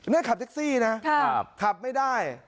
นี่ขับแท็กซี่นะขับไม่ได้